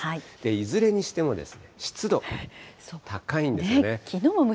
いずれにしても湿度、高いんですよね。